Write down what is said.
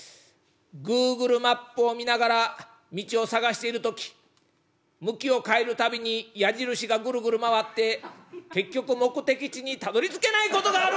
Ｇｏｏｇｌｅマップを見ながら道を探している時向きを変える度に矢印がぐるぐる回って結局目的地にたどりつけないことがある！」。